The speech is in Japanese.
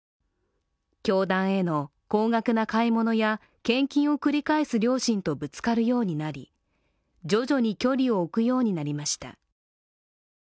教団への高額な買い物や献金を繰り返す両親とぶつかるようになり、徐々に距離を置くようになりました。